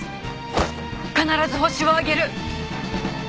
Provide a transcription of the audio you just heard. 必ずホシを挙げる！